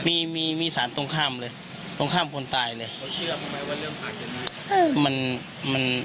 มีมีมีสารตรงข้ามเลยตรงข้ามคนตายเลยมันมัน